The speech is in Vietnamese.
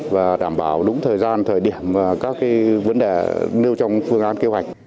và đảm bảo đúng thời gian thời điểm và các vấn đề nêu trong phương án kế hoạch